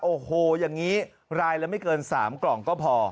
โอ้โหอย่างนี้รายละไม่เกิน๓กล่องก็พอ